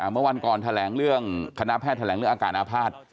เมื่อวานก่อนคณาแพทย์แถลงเรื่องอากาศนภาษย์